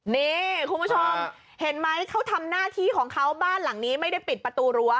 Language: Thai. นี่คุณผู้ชมเห็นไหมเขาทำหน้าที่ของเขาบ้านหลังนี้ไม่ได้ปิดประตูรั้ว